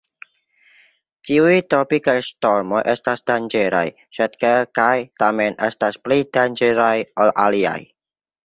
Ĉiuj tropikaj ŝtormoj estas danĝeraj, sed kelkaj tamen estas pli danĝeraj ol aliaj.